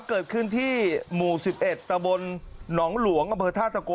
มันเกิดขึ้นที่หมู่๑๑ตะบลหนองหลวงอเบอร์ธาตุโก